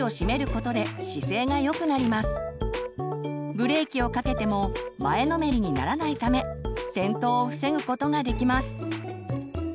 ブレーキをかけても前のめりにならないため転倒を防ぐことができます。